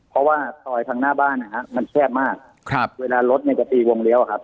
เพราะว่าสอยทางหน้าบ้านมันแคบมากเวลารถเนี่ยก็ตีวงเลี้ยวครับ